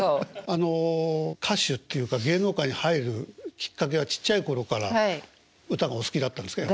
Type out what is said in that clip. あの歌手っていうか芸能界に入るきっかけはちっちゃい頃から歌がお好きだったんですか？